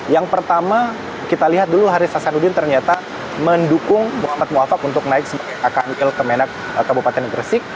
yang pertama kita lihat dulu haris hasan udin ternyata mendukung muhammad mu'afak untuk naik kakan wil kemenak kabupaten gresik